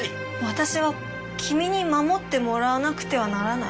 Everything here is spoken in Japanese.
「私は君に守ってもらわなくてはならない」？